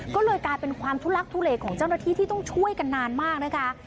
ก็เลยกลายเป็นความทุลักทุเลของเจ้าหน้าที่ที่ต้องช่วยกันนานมากนะคะ